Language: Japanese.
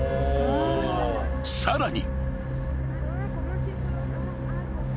［さらに］